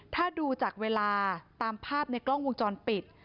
ถ้าดูจากเวลาตามภาพในกล้องวงจรปิด